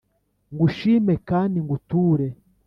ngushime kandi nguture